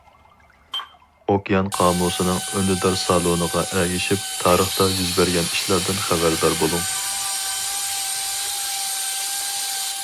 ئوكيان قامۇسىنىڭ ئۈندىدار سالونىغا ئەگىشىپ، تارىختا يۈز بەرگەن ئىشلاردىن خەۋەردار بولۇڭ.